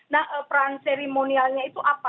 nah peran seremonialnya itu apa